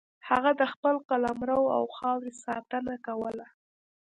هغه د خپل قلمرو او خاورې ساتنه کوله.